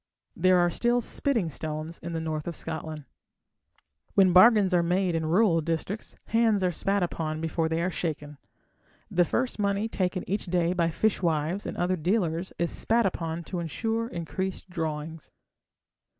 There are still "spitting stones" in the north of Scotland. When bargains are made in rural districts, hands are spat upon before they are shaken. The first money taken each day by fishwives and other dealers is spat upon to ensure increased drawings.